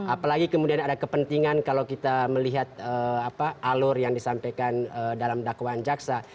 apalagi kemudian ada kepentingan kalau kita melihat alur yang disampaikan dalam dakwaan jaksa